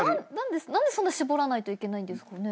何でそんな絞らないといけないんですかね？